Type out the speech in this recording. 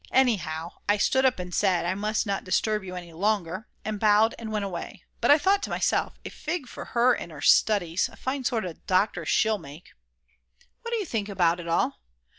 Anyhow, I stood up, and said: "I must not disturb you any longer," and bowed and went away; but I thought to myself: "A fig for her and her studies; fine sort of a doctor she'll make!" What do you think about it all?